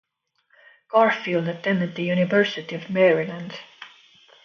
Garfield attended the University of Maryland.